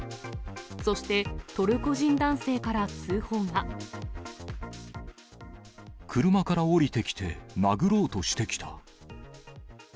そして、車から降りてきて、殴ろうとしてきた。